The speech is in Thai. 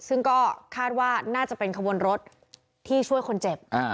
ซึ่งก็คาดว่าน่าจะเป็นขบวนรถที่ช่วยคนเจ็บ